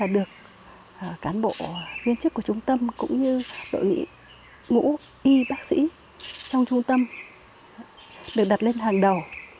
được cán bộ viên chức của trung tâm cũng như đội ngũ y bác sĩ trong trung tâm được đặt lên hàng đầu